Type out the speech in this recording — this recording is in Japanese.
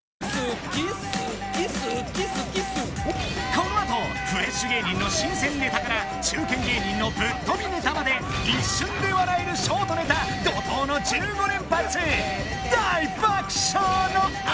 このあとフレッシュ芸人の新鮮ネタから中堅芸人のぶっ飛びネタまで一瞬で笑えるショートネタ怒とうの１５連発大爆笑の秋！